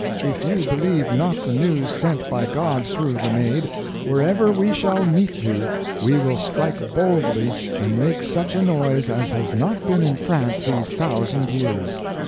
If you believe not the news sent by God through the Maid, wherever we shall meet you we will strike boldly and make such a noise as has not been in France these thousand years.